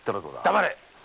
黙れ！